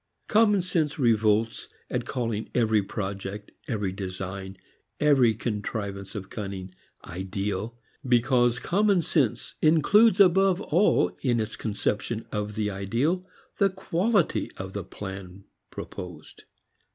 Common sense revolts at calling every project, every design, every contrivance of cunning, ideal, because common sense includes above all in its conception of the ideal the quality of the plan proposed.